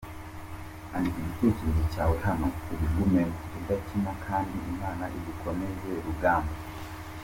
Andika Igitekerezo Hano ubigumemo udakina kandi imana igukomeze rugamba.